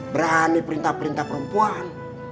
berani perintah perintah perempuan